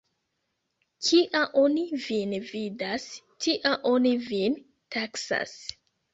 Kia oni vin vidas, tia oni vin taksas.